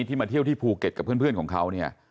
มาเที่ยวที่ภูเก็ตกับเพื่อนของเขาเนี่ย